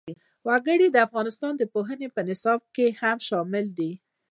وګړي د افغانستان د پوهنې په نصاب کې هم شامل دي.